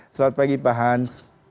selamat pagi pak hans